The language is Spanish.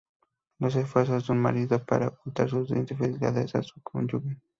Los esfuerzos de un marido para ocultar sus infidelidades a su cónyuge.